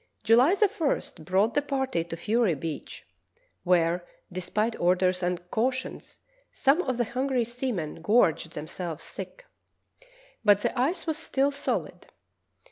July I brought the party to Fury Beach, where de spite orders and cautions some of the hungry seamen gorged themselves sick. But the ice was still solid.